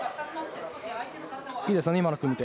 いいですね、今の組み手。